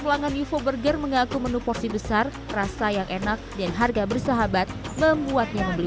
pelanggan ufo burger mengaku menu porsi besar rasa yang enak dan harga bersahabat membuatnya membeli